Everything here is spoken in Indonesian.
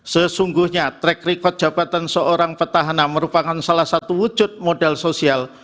sesungguhnya track record jabatan seorang petahana merupakan salah satu wujud modal sosial